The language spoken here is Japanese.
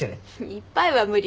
いっぱいは無理。